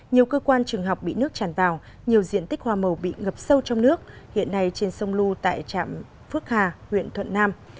nhiều cơ quan trường học bị nước tràn vào nhiều diện tích hoa màu bị ngập sâu trong nước hiện nay trên sông lu tại trạm phước hà huyện thuận nam